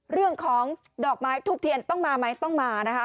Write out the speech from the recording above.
เรื่องของดอกไม้ทูบเทียนต้องมาไหมต้องมานะคะ